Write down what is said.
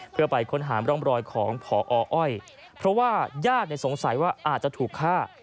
เพื่อไปค้นหาร่องรอยของพออ้อยเพราะว่าญาติสงสัยว่าอาจจะถูกฆ่า